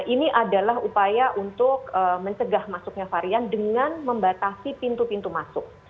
ini adalah upaya untuk mencegah masuknya varian dengan membatasi pintu pintu masuk